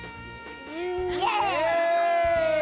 イエイ！